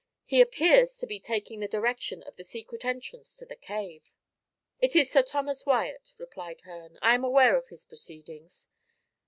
"He appears to be taking the direction of the secret entrance to the cave." "It is Sir Thomas Wyat," replied Herne, "I am aware of his proceedings.